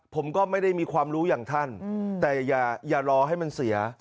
ผมก็ไม่ได้มีความรู้อย่างท่านแต่อย่ารอให้มันเสีย